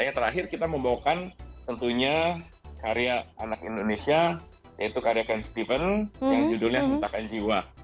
dan yang terakhir kita membawakan tentunya karya anak indonesia yaitu karya ken steven yang judulnya hentakan jiwa